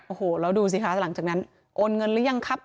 โอ้โหแล้วดูสิคะหลังจากนั้นโอนเงินหรือยังครับ